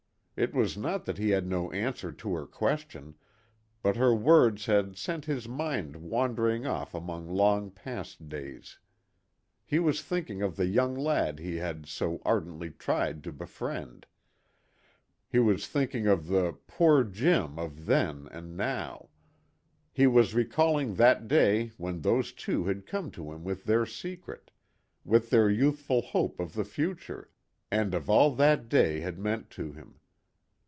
It was not that he had no answer to her question, but her words had sent his mind wandering off among long past days. He was thinking of the young lad he had so ardently tried to befriend. He was thinking of the "poor Jim" of then and now. He was recalling that day when those two had come to him with their secret, with their youthful hope of the future, and of all that day had meant to him.